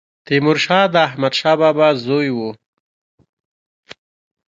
تيمورشاه د احمدشاه بابا زوی و